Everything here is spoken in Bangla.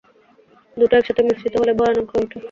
দুটো একসাথে মিশ্রিত হলে ভয়ানক হয়ে উঠে!